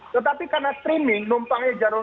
tetapi karena streaming numpangnya jarum